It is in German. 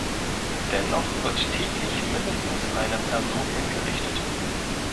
Dennoch wird täglich mindestens eine Person hingerichtet.